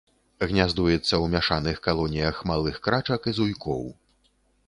Гняздуецца ў мяшаных калоніях малых крачак і зуйкоў.